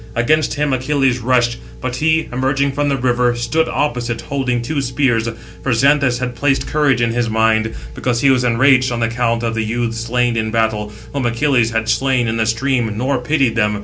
Against him Achilles rushed; but he, [emerging] from the river, stood opposite, holding two spears; for Xanthus had placed courage in his mind, because he was enraged on account of the youths slain in battle, whom Achilles had slain in the stream, nor pitied them.